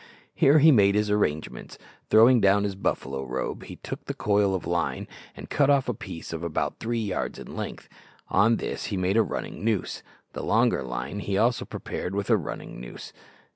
Here he made his arrangements. Throwing down his buffalo robe, he took the coil of line and cut off a piece of about three yards in length. On this he made a running noose. The longer line he also prepared with a running noose.